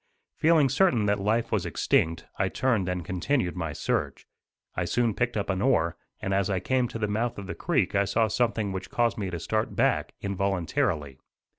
Feeling certain that life was extinct, I turned and continued my search. I soon picked up an oar, and as I came to the mouth of the creek I saw something which caused me to start back, involuntarily.